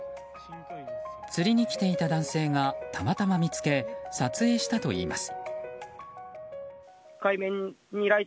釣りに来ていた男性がたまたま見つけ撮影したといいます。